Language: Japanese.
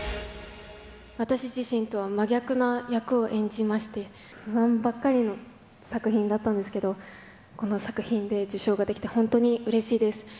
私自身とは真逆な役を演じまして、不安ばっかりの作品だったんですけど、この作品で受賞ができて、本当にうれしいです。